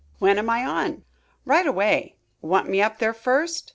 "When am I on?" "Right away." "Want me up there first?"